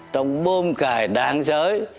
trong bôm cài đạn giới